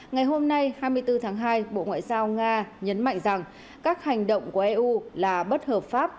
ngày hôm nay hai mươi bốn tháng hai bộ ngoại giao nga nhấn mạnh rằng các hành động của eu là bất hợp pháp